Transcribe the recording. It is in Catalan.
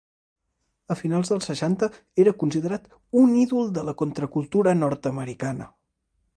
A finals dels seixanta era considerat un ídol de la contracultura nord-americana.